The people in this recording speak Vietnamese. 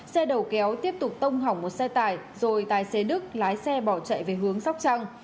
xe đầu kéo tiếp tục tông hỏng một xe tải rồi tài xế đức lái xe bỏ chạy về hướng sóc trăng